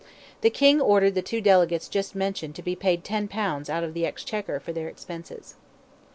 The King ordered the two delegates just mentioned to be paid ten pounds out of the Exchequer for their expenses.